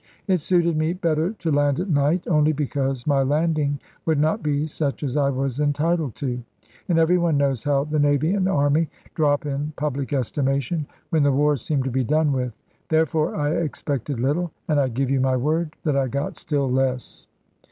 It suited me better to land at night, only because my landing would not be such as I was entitled to. And every one knows how the Navy and Army drop in public estimation, when the wars seem to be done with. Therefore I expected little; and I give you my word that I got still less.